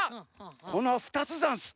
このふたつざんす。